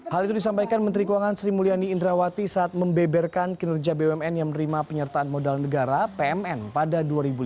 hal itu disampaikan menteri keuangan sri mulyani indrawati saat membeberkan kinerja bumn yang menerima penyertaan modal negara pmn pada dua ribu lima belas